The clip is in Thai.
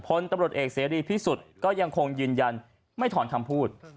พลตำรวจเอกเสรีพิสุทธิ์ก็ยังคงยืนยันไม่ถอนคำพูด